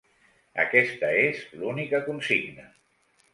Aquesta és l'única consigna.